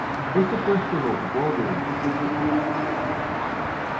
Este puesto lo ocupó durante dos temporadas.